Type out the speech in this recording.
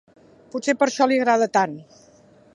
Potser per això li agrada tant.